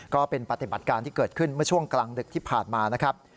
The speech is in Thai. ก็เป็นปฏิบัติการที่เกิดขึ้นเมื่อช่วงกลางดึกที่ผ่านมา